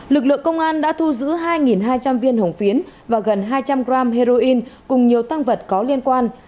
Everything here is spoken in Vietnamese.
lực lượng công an đã thu giữ hai hai trăm linh viên hồng phiến và gần hai trăm linh g heroin cùng nhiều tăng vật có liên quan